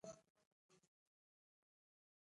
افغانستان په واوره غني دی.